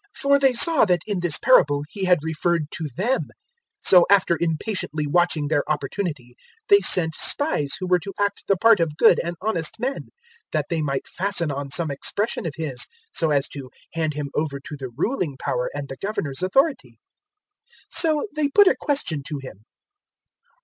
For they saw that in this parable He had referred to them. 020:020 So, after impatiently watching their opportunity, they sent spies who were to act the part of good and honest men, that they might fasten on some expression of His, so as to hand Him over to the ruling power and the Governor's authority. 020:021 So they put a question to Him.